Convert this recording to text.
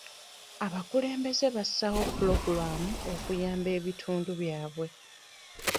Abakulembeze bassaawo pulogulaamu okuyamba ebitundu byabwe.